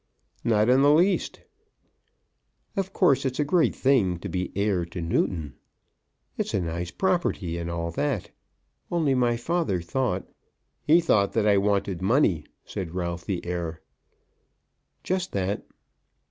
"Not in the least." "Of course it's a great thing to be heir to Newton. It's a nice property, and all that. Only my father thought " "He thought that I wanted money," said Ralph the heir. "Just that."